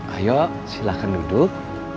ayo silahkan duduk